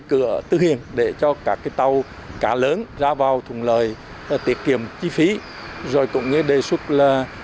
cửa tư hiện để cho cả cái tàu cả lớn ra vào thuận lợi tiết kiệm chi phí rồi cũng như đề xuất là